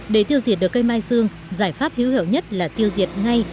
để tiêu diệt được cây mai dương giải pháp hữu hiệu nhất là tiêu diệt ngay